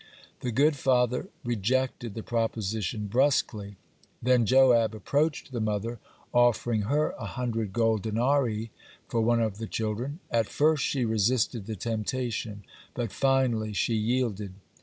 The good father rejected the proposition brusquely. Then Joab approached the mother, offering her a hundred gold denarii for one of the children. At first she resisted the temptation, but finally she yielded.